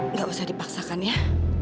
nggak usah dipaksakan ya